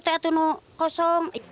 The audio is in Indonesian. dari mana ibu